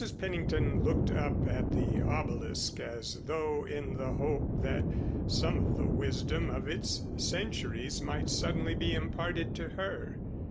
Pennington looked up at the obelisk as though in the hope that some of the wisdom of its centuries might suddenly be imparted to her.